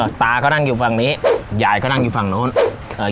ตาก็นั่งอยู่ฝั่งนี้ยายก็นั่งอยู่ฝั่งนู้นเอ่อ